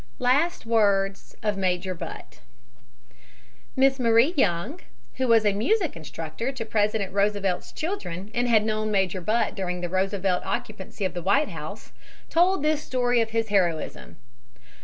LAST WORDS OF MAJOR BUTT Miss Marie Young, who was a music instructor to President Roosevelt's children and had known Major Butt during the Roosevelt occupancy of the White House, told this story of his heroism.